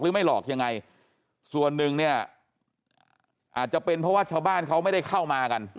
ไม่หลอกยังไงส่วนหนึ่งเนี่ยอาจจะเป็นเพราะว่าชาวบ้านเขาไม่ได้เข้ามากัน